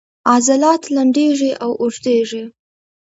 عضلات لنډیږي او اوږدیږي